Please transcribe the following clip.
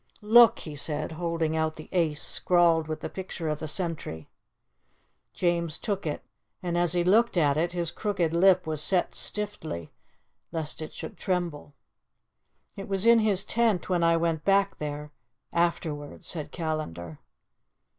"Look," he said, holding out the ace scrawled with the picture of the sentry. James took it, and as he looked at it, his crooked lip was set stiffly, lest it should tremble. "It was in his tent when I went back there afterwards," said Callandar.